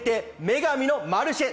『女神のマルシェ』